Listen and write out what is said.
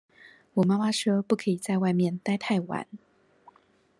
我媽媽說不可以在外面待太晚